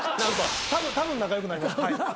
たぶん仲良くなりました。